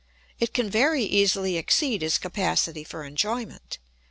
It can very easily exceed his capacity for enjoyment.